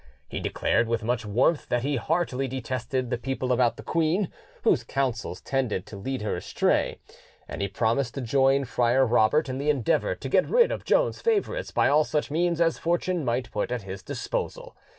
He declared with much warmth that he heartily detested the people about the queen, whose counsels tended to lead her astray, and he promised to join Friar Robert in the endeavour to get rid of Joan's favourites by all such means as fortune might put at his disposal.